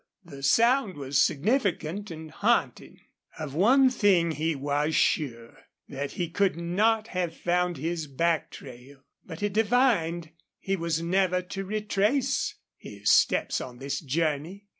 The sound was significant and haunting. Of one thing he was sure that he could not have found his back trail. But he divined he was never to retrace his steps on this journey.